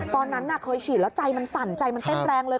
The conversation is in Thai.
ตอนนั้นเคยฉีดแล้วใจมันสั่นใจมันเต้นแรงเลย